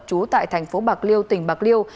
trú tại thành phố bạc liêu tỉnh bạc liêu